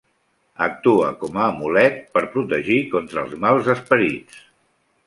Actua com a amulet per protegir contra els mals esperits.